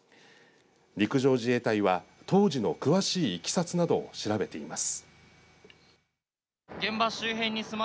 陸上自衛隊は当時の詳しいいきさつなどを調べています。